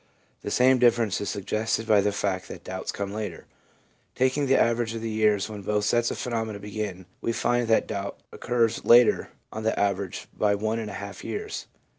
The same difference is suggested by the fact that doubts come later. Taking the average of the years when both sets of phenomena begin, we find that doubt occurs later on the average by one and a half years.